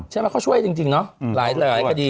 ใช่ไหมเขาช่วยจริงเนาะหลายคดี